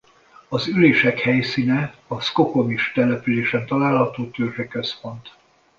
Az ülések helyszíne a Skokomish településen található törzsi központ.